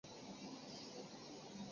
安全无虞的教学和学习环境